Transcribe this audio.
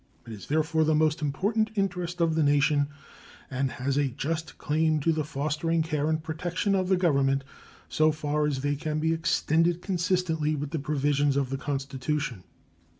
It is therefore the most important interest of the nation, and has a just claim to the fostering care and protection of the Government so far as they can be extended consistently with the provisions of the Constitution.